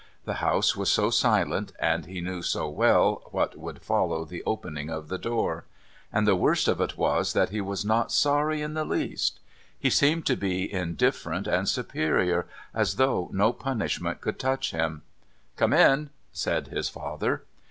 The house was so silent, and he knew so well what would follow the opening of the door. And the worst of it was that he was not sorry in the least. He seemed to be indifferent and superior, as though no punishment could touch him. "Come in!" said his father.